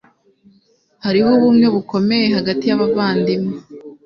Hariho ubumwe bukomeye hagati yabavandimwe.